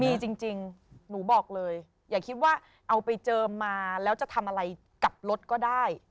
มีจริงหนูบอกเลยอย่าคิดว่าเอาไปเจิมมาแล้วจะทำอะไรกับรถก็ได้